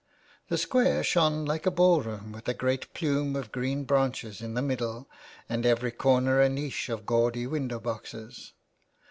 The Square shone like a ballroom with a great plume of green branches in the middle and every corner a niche of gaudy window boxes.